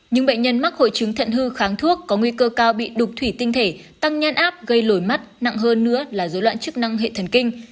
những bệnh nhân mắc hội chứng thận hư kháng thuốc có nguy cơ cao bị đục thủy tinh thể tăng nhan áp gây lồi mắt nặng hơn nữa là dối loạn chức năng hệ thần kinh